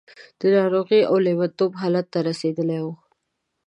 د ناروغۍ او لېونتوب حالت ته رسېدلې وه.